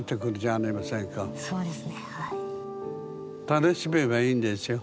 楽しめばいいんですよ。